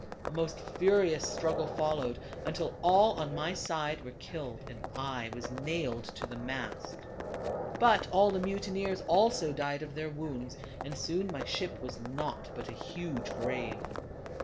A most furious struggle followed, until all on my side were killed, and I was nailed to the mast. But all the mutineers also died of their wounds, and soon my ship was naught but a huge grave.